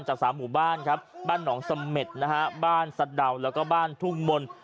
จากตั้ง๓หมู่บ้านบ้านหนองสเมฆบ้านสะดำแล้วก็ทุ่งมนต์